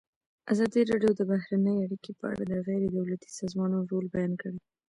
ازادي راډیو د بهرنۍ اړیکې په اړه د غیر دولتي سازمانونو رول بیان کړی.